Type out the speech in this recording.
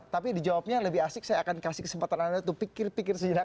tapi dijawabnya lebih asik saya akan kasih kesempatan anda untuk pikir pikir sejenak